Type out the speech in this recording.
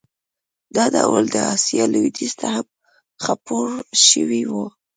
دا ډول د اسیا لوېدیځ ته هم خپور شوی و.